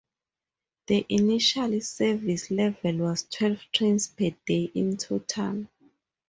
The initial service level was twelve trains per day in total.